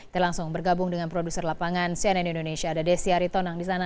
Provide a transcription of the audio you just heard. kita langsung bergabung dengan produser lapangan cnn indonesia dessy ariton yang di sana